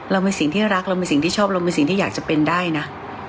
เรามีสิ่งที่รักเรามีสิ่งที่ชอบเรามีสิ่งที่อยากจะเป็นได้นะ